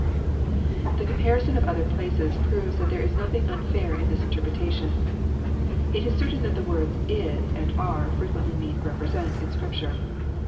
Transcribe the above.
The comparison of other places proves that there is nothing unfair in this interpretation. It is certain that the words " is " and "arc" frequently mean "represent" in Scripture.